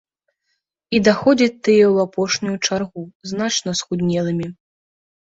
І даходзяць тыя ў апошнюю чаргу, значна схуднелымі.